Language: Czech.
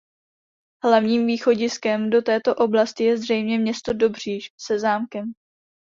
Hlavním východiskem do této oblasti je zřejmě město Dobříš se zámkem.